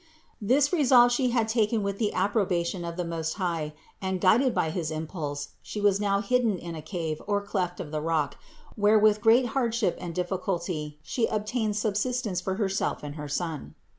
This resolve she had taken with the approbation of the Most High and, guided by his impulse, She was now hidden in a cave or cleft of the rock where, with great hardship and difficulty, she obtained sustenance for her self and her son.